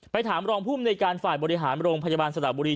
ไปถามรองพุ่มในการฝ่ายบริหารโรงพยาบาลสลับบุรี